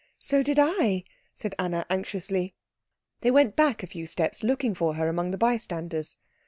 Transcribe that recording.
"So did I," said Anna anxiously. They went back a few steps, looking for her among the bystanders.